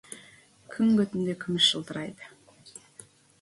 Күң көтінде күміс жылтырайды.